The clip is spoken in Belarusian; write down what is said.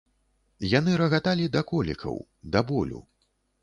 Яны рагаталі да колікаў, да болю.